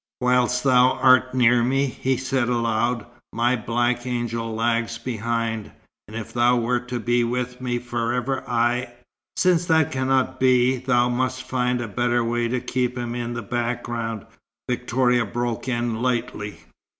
"Whilst thou art near me," he said aloud, "my black angel lags behind, and if thou wert to be with me forever, I " "Since that cannot be, thou must find a better way to keep him in the background," Victoria broke in lightly.